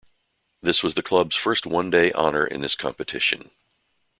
This was the clubs first one day honour in this competition.